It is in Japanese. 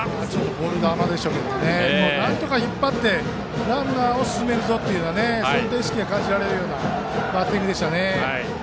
ボール球でしたがなんとか引っ張ってランナーを進めるぞという意識が感じられるバッティングでした。